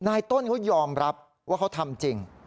ต้นเขายอมรับว่าเขาทำจริง